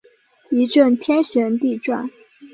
一阵天旋地转